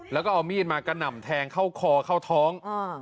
แล้วก็เอามีดมากระหน่ำแทงเข้าคอเข้าท้อง